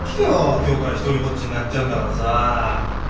今日から独りぼっちになっちゃうんだからさあ。